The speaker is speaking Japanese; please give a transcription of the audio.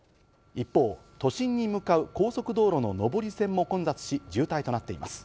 一方、都心に向かう高速道路の上り線も混雑し、渋滞となっています。